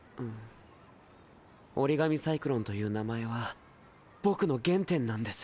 折紙サイクロンという名前は僕の原点なんです。